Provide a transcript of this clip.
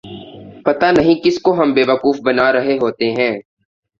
پتہ نہیں کس کو ہم بے وقوف بنا رہے ہوتے ہیں۔